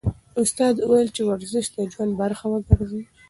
استاد وویل چې ورزش د ژوند برخه وګرځوئ.